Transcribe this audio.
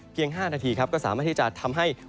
เพียง๕นาทีก็สามารถที่จะทำให้